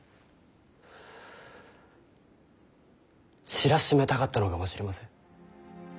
知らしめたかったのかもしれません。